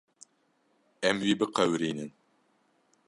Em wî biqewirînin.